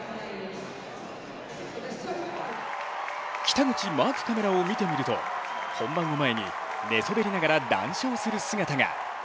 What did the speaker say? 北口マークカメラを見てみると本番を前に寝そべりながら談笑する姿が。